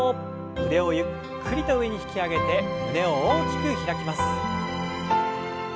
腕をゆっくりと上に引き上げて胸を大きく開きます。